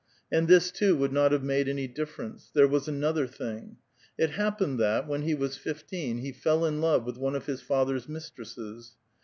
And this, too, would not have made any difference ; there was another tiling. It happened tliat, when he was fifteen, he fell in love with one of his father's mistresses.